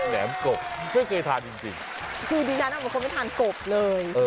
แหนมกบไม่เคยทานจริงคือดิฉันน่ะเหมือนคนไม่ทานกบเลย